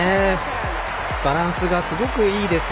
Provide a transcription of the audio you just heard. バランスがすごくいいです。